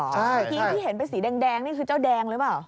เมื่อกี้ที่เห็นเป็นสีแดงนี่คือเจ้าแดงหรือเปล่า